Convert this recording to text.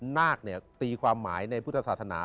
นาคตีความหมายในพุทธศาสนา